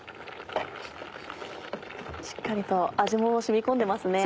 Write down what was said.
しっかりと味も染み込んでますね。